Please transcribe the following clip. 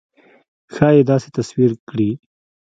ښایي داسې تصویر کړي.